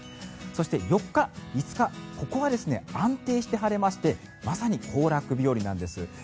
そして、４日、５日ここは安定して晴れましてまさに行楽日和なんです。